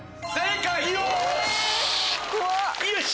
よし！